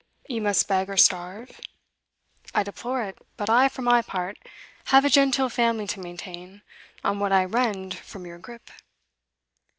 You must beg or starve? I deplore it, but I, for my part, have a genteel family to maintain on what I rend from your grip.